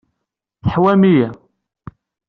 Tḥewwam-iyi.